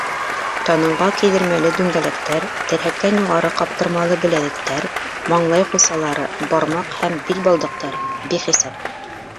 Танауға кейҙермәле дүңгәләктәр, терһәктән юғары ҡаптырмалы беләҙектәр, маңлай ҡулсалары, бармаҡ һәм бил балдаҡтары — бихисап.